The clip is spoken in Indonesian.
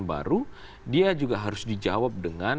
baru dia juga harus dijawab dengan